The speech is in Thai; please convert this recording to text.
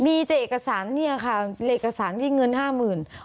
มีแต่เอกสารเนี่ยค่ะเอกสารที่เงินห้าหมื่น